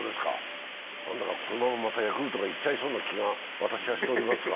何だかこのままヤクルトがいっちゃいそうな気が私はしていますが。